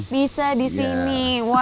bisa di sini